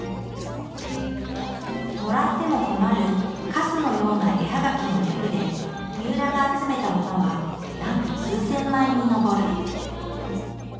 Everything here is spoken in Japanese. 「もらっても困るカスのような絵ハガキ」の略でみうらが集めたものはなんと数千枚に上る。